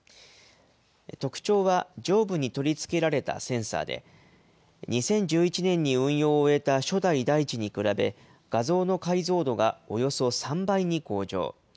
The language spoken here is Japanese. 特徴は上部に取り付けられたセンサーで、２０１１年に運用を終えた初代だいちに比べ、画像の解像度がおよそ３倍に向上。